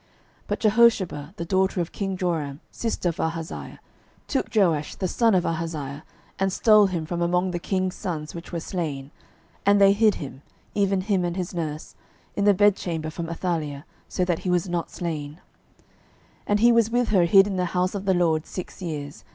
12:011:002 But Jehosheba, the daughter of king Joram, sister of Ahaziah, took Joash the son of Ahaziah, and stole him from among the king's sons which were slain; and they hid him, even him and his nurse, in the bedchamber from Athaliah, so that he was not slain. 12:011:003 And he was with her hid in the house of the LORD six years.